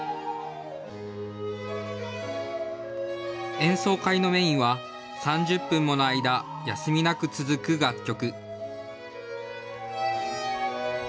演奏会のメインは、３０分もの間、休みなく続く楽曲。